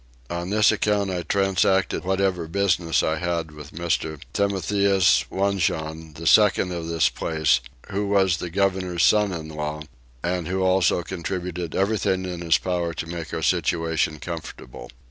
On this account I transacted whatever business I had with Mr. Timotheus Wanjon, the second of this place, who was the governor's son in law, and who also contributed everything in his power to make our situation comfortable.